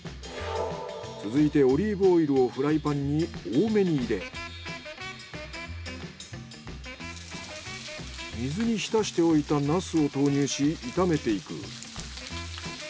続いてオリーブオイルをフライパンに多めに入れ水に浸しておいたナスを投入し炒めていく。